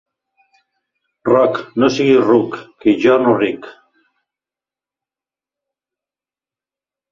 Roc, no sigues ruc, que jo no ric.